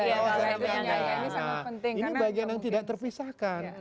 ini bagian yang tidak terpisahkan